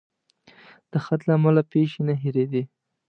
د خط له امله پیښې نه هېرېدې.